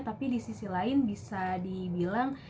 tapi disisi lain bisa dibilang